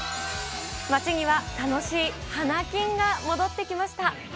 街には楽しい花金が戻ってきました。